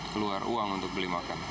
keluar uang untuk beli makan